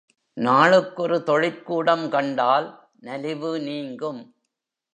நாளுக்கொரு தொழிற்கூடம் கண்டால் நலிவு நீங்கும்.